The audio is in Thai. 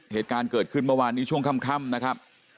เหตุการณ์เกิดขึ้นเมื่อวานนี้ช่วงค่ำนะครับ